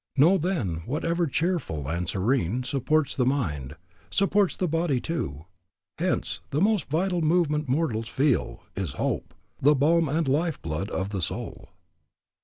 "Know, then, whatever cheerful and serene Supports the mind, supports the body, too. Hence the most vital movement mortals feel Is hope; the balm and life blood of the soul."